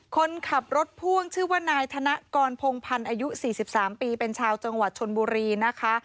คนขับรถพ่วงชื่อว่านายธนกรพงพันธ์อายุ๔๓ปีเป็นชาวจังหวัดชนบุรีนะคะ